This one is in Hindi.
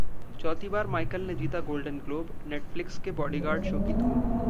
चौथी बार माइकल ने जीता गोल्डन ग्लोब, नेटफ्लिक्स के बॉडीगार्ड शो की धूम